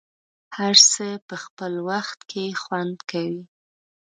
هر څه په خپل وخت کې خوند کوي.